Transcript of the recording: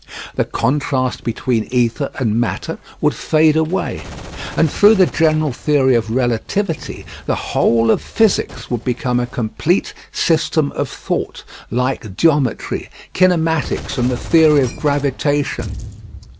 The contrast between ether and matter would fade away, and, through the general theory of relativity, the whole of physics would become a complete system of thought, like geometry, kinematics, and the theory of gravitation.